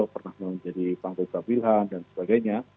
pernah menjadi panggung kapilhan dan sebagainya